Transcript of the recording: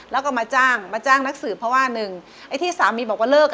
แล้วก็มาจ้างมาจ้างนักสืบเพราะว่าหนึ่งไอ้ที่สามีบอกว่าเลิก